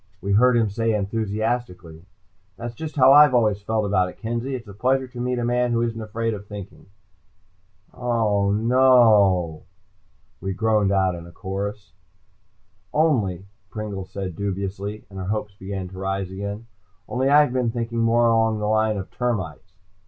We heard him say enthusiastically. "That's just how I've always felt about it, Kenzie. It's a pleasure to meet a man who isn't afraid of thinking." "Oh, no o o!" we all groaned out in a chorus. "Only," Pringle said dubiously, and our hopes began to arise again. "Only I've been thinking more along the line of termites."